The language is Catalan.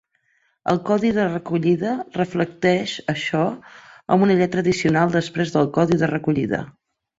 El codi de recollida reflecteix això amb una lletra addicional després del codi de recollida.